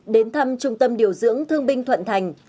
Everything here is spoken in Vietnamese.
đến thăm trung tâm điều dưỡng thương binh thuận thành